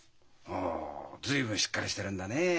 ほう随分しっかりしてるんだねえ。